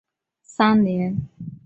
陶绍景于乾隆三年。